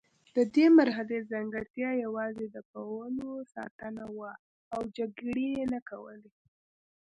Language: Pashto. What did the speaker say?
د دې مرحلې ځانګړتیا یوازې د پولو ساتنه وه او جګړې یې نه کولې.